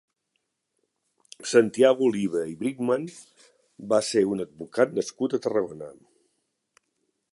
Santiago Oliva i Bridgman va ser un advocat nascut a Tarragona.